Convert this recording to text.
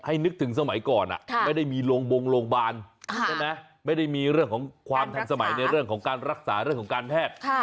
นึกถึงสมัยก่อนไม่ได้มีโรงบงโรงพยาบาลใช่ไหมไม่ได้มีเรื่องของความทันสมัยในเรื่องของการรักษาเรื่องของการแพทย์